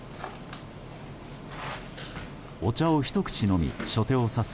お茶をひと口飲み初手を指す